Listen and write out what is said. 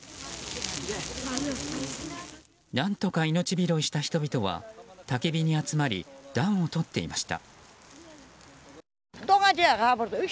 何とか命拾いした人々はたき火に集まり暖をとっていました。